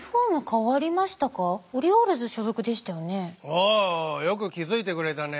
ああよく気付いてくれたね。